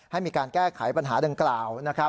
ให้มีการแก้ไขปัญหาดังกล่าวนะครับ